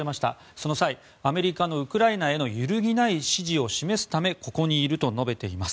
その際、アメリカのウクライナへの揺るぎない支持を示すためここにいると述べています。